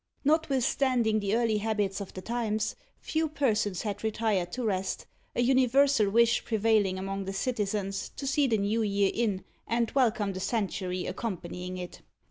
Notwithstanding the early habits of the times, few persons had retired to rest, an universal wish prevailing among the citizens to see the new year in, and welcome the century accompanying it.